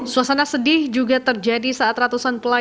suasana sedih juga terjadi saat ratusan pelajar